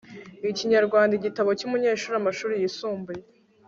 ikinyarwanda igitabo cy'umunyeshuri amashuri yisumbuye